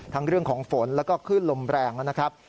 ทั้งเรื่องของฝนแล้วก็ขึ้นลมแรงนะครับ